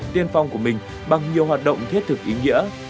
tiên phong của mình bằng nhiều hoạt động thiết thực ý nghĩa